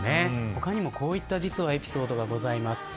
他にもこういったエピソードがあります。